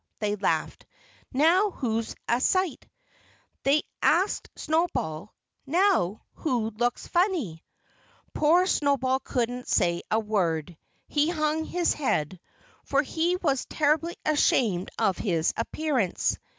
_" they laughed. "Now who's a sight?" they asked Snowball. "Now who looks funny?" Poor Snowball couldn't say a word. He hung his head. For he was terribly ashamed of his appearance.